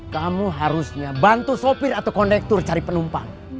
kamu harusnya bantu sopir atau kondektur cari penumpang